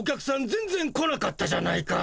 全ぜん来なかったじゃないか。